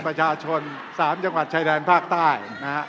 พระยักษาชนสามจังหวัดชายดานภาคใต้